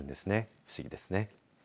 不思議ですね。